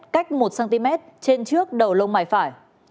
cách một cm trên trước đầu lông mày phải